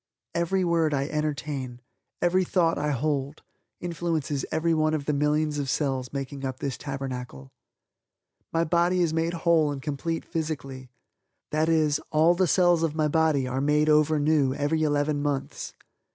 Every word I entertain, every thought I hold, influences everyone of the millions of cells making up this Tabernacle. My body is made whole and complete physically. That is, all the cells of my body are made over new every eleven months.